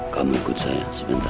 kamu ikut saya sebentar